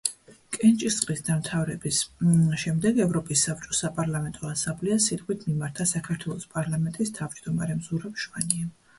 კენჭისყრის დამთავრების შემდეგ, ევროპის საბჭოს საპარლამენტო ასამბლეას სიტყვით მიმართა საქართველოს პარლამენტის თავმჯდომარემ ზურაბ ჟვანიამ.